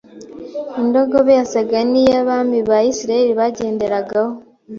Indogobe yasaga n'iy'abami ba Isiraeli bagendaragaho,